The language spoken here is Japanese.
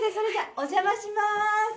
お邪魔しまーす